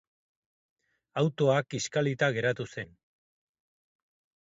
Autoa kiskalita geratu zen.